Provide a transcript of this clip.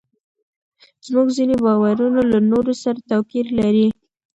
زموږ ځینې باورونه له نورو سره توپیر لري.